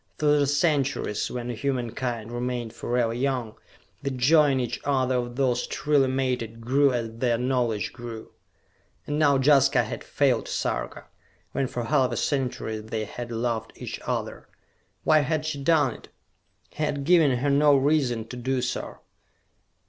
Through the centuries, when humankind remained forever young, the joy in each other of those truly mated grew as their knowledge grew.... And now Jaska had failed Sarka, when for half a century they had loved each other! Why had she done it? He had given her no reason to do so.